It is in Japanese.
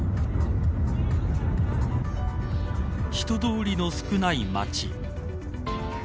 人通りの少ない街